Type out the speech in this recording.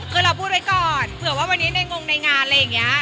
คือเราพูดไว้ก่อนเผื่อว่าวันนี้ในงงในงานอะไรอย่างนี้